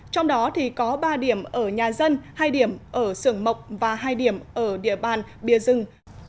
trong đó thì có ba điểm ở nhà dân hai điểm ở sưởng mộc và hai điểm ở địa bàn bia dưng